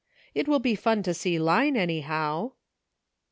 It will be fun to see Line, anyhow."